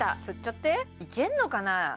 吸っちゃっていけんのかな